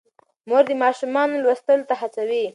مور د ماشومانو لوستلو ته هڅوي.